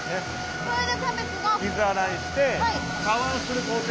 これでキャベツが。